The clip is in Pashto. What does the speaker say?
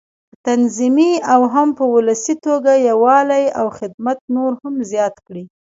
په تنظيمي او هم په ولسي توګه یووالی او خدمت نور هم زیات کړي.